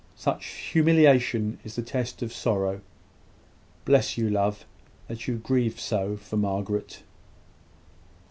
Such humiliation is the test of sorrow. Bless you, love, that you grieve so for Margaret!"